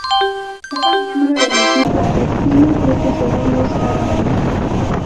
Cada miembro del equipo obtiene siete segundos cada uno.